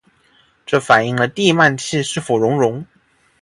这反映了地幔楔是否熔融。